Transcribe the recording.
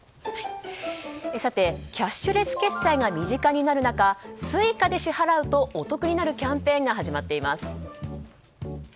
キャッシュレス決済が身近になる中Ｓｕｉｃａで支払うとお得になるキャンペーンが始まっています。